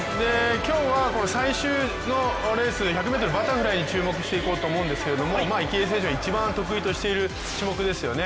今日は最終のレース１００ｍバタフライに注目していこうと思うんですけど池江選手一番得意としている種目ですよね。